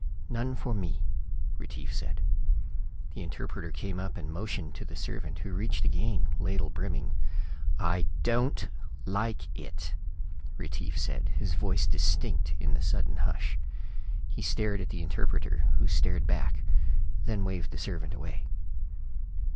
"None for me," Retief said. The interpreter came up and motioned to the servant, who reached again, ladle brimming. "I ... DON'T ... LIKE ... IT!" Retief said, his voice distinct in the sudden hush. He stared at the interpreter, who stared back, then waved the servant away.